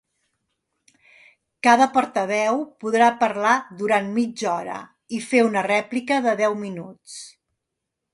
Cada portaveu podrà parlar durant mitja hora i fer una rèplica de deu minuts.